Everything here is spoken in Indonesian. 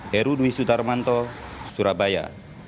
heru dwi sudarmanto surabaya